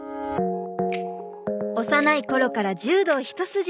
幼い頃から柔道一筋。